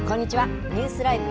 ニュースＬＩＶＥ！